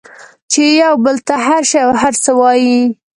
چې یو بل ته هر شی او هر څه وایئ